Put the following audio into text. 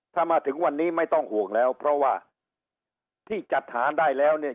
ถ้ามาถึงวันนี้ไม่ต้องห่วงแล้วเพราะว่าที่จัดหาได้แล้วเนี่ย